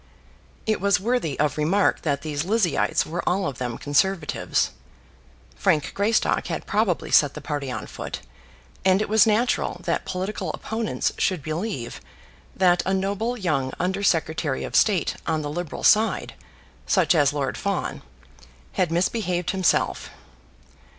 It was worthy of remark that these Lizzieites were all of them Conservatives. Frank Greystock had probably set the party on foot; and it was natural that political opponents should believe that a noble young Under Secretary of State on the Liberal side, such as Lord Fawn, had misbehaved himself.